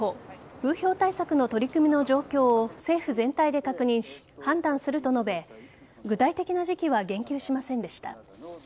風評対策の取り組みの状況を政府全体で確認し判断すると述べ具体的な時期は言及しませんでした。